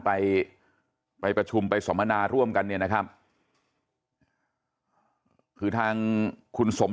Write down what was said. ไปไปประชุมไปสมนาร่วมกันเนี่ยนะครับคือทางคุณสม